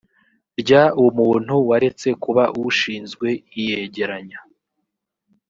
ry umuntu waretse kuba ushinzwe iyegeranya